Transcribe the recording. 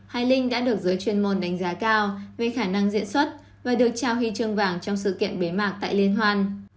hai linh đã được giới chuyên môn đánh giá cao về khả năng diễn xuất và được trao huy chương vàng trong sự kiện bế mạc tại liên hoan